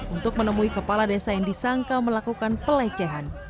untuk menemui kepala desa yang disangka melakukan pelecehan